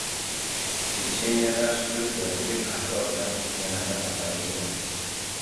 Pechenyelar sut yoki qahva bilan yanada mazali bo‘ladi